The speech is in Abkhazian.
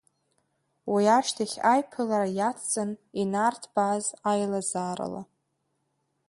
Уи ашьҭахь аиԥылара иацҵан инарҭбааз аилазаарала.